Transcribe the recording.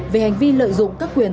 về hành vi lợi dụng các quyền